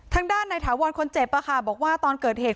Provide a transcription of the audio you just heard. ทางด้านในถาวรคนเจ็บบอกว่าตอนเกิดเหตุ